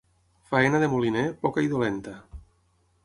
Feina de moliner, poca i dolenta.